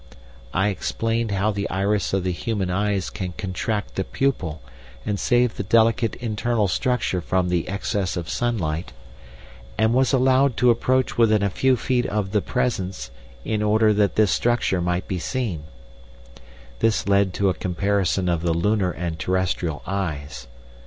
I explained how the iris of the human eyes can contract the pupil and save the delicate internal structure from the excess of sunlight, and was allowed to approach within a few feet of the Presence in order that this structure might be seen. This led to a comparison of the lunar and terrestrial eyes.